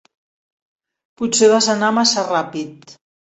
Potser vas anar massa ràpid.